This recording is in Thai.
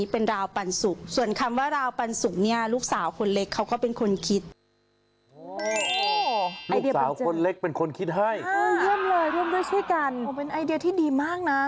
เป็นไอเดียที่ดีมากนะ